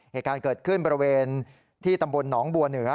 เหตุการณ์เกิดขึ้นบริเวณที่ตำบลหนองบัวเหนือ